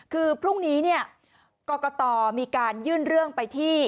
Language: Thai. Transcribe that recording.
คือพรุ่งนี้กรกตมีการยื่นเรื่องไปที่